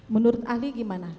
menurut ahli gimana